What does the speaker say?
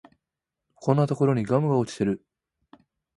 こんなところにガムが落ちてる